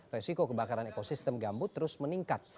resiko kebakaran ekosistem gambut terus meningkat